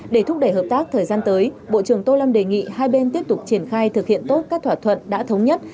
để thúc đẩy hợp tác thời gian tới bộ trưởng tô lâm đề nghị hai bên tiếp tục triển khai thực hiện tốt các thỏa thuận đã thống nhất